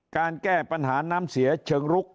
การแก้ปัญหาน้ำเสียเชิงลุก